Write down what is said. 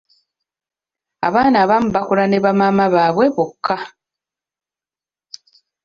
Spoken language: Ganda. Abaana abamu bakula ne bamaama baawe bokka.